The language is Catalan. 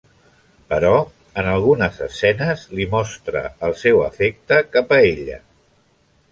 Però en algunes escenes li mostra el seu afecte cap a ella.